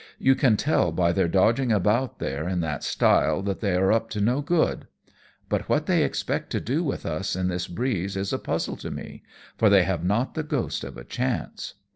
"You can tell by their dodging about there in that style that they are up to no good ; but what they expect to do with us in this breeze is a puzzle to me, for they have not the ghost of a chance."